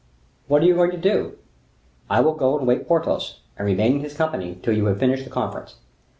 "What are you going to do?" "I will go and wake Porthos, and remain in his company till you have finished the conference."